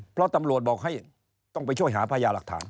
เพราะตำรวจบอกให้ต้องไปช่วยหาพยาหลักฐาน